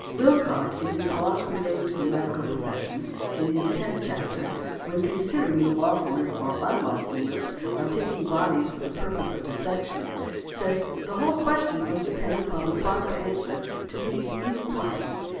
Willcock, in his "Laws relating to the Medical Profession," in his tenth chapter, when considering the lawfulness or unlawfulness of taking bodies for the purpose of dissection, says: "The whole question must depend upon the proper answer to these inquiries.